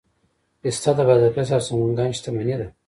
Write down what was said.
پسته د بادغیس او سمنګان شتمني ده.